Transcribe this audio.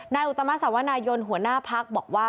อุตมาสวนายนหัวหน้าพักบอกว่า